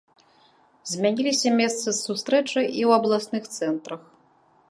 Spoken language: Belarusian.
Змяніліся месцы сустрэчы і ў абласных цэнтрах.